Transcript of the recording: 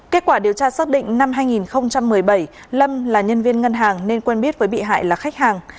kết quả điều tra xác định năm hai nghìn một mươi bảy lâm là nhân viên ngân hàng nên quen biết với bị hại là khách hàng